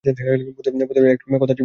বৌদ্ধদের একটু আছে বে-থার সময়।